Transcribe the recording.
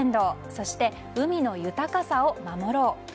そして、「海の豊かさを守ろう」。